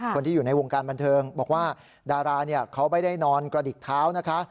คนที่อยู่ในวงการบันเทิงบอกว่าดาราเขาไม่ได้นอนกระดิกเท้านะคะ